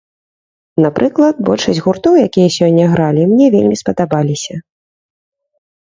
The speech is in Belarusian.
Напрыклад, большасць гуртоў, якія сёння гралі, мне вельмі спадабаліся.